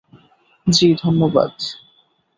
জি, ধন্যবাদ।